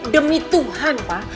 demi tuhan pa